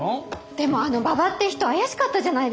でもあの馬場って人怪しかったじゃないですか。